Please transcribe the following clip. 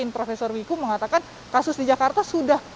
profesor wiku mengatakan kasus di jakarta sudah